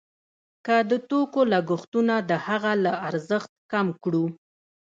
که د توکو لګښتونه د هغه له ارزښت کم کړو